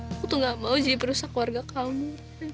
aku tuh gak mau jadi perusak keluarga kamu